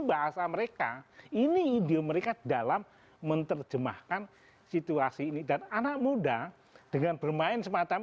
bahasa mereka ini ide mereka dalam menerjemahkan situasi ini dan anak muda dengan bermain semacam